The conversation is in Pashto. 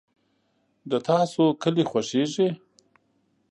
د تاسو کلي خوښیږي؟